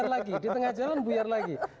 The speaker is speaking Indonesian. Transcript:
lagi di tengah jalan buyar lagi